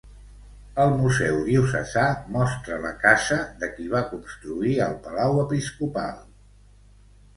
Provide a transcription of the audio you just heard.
El Museu Diocesà mostra la casa de qui va construir el Palau Episcopal.